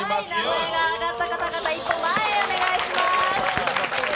名前が挙がった方々、一歩前へお願いします。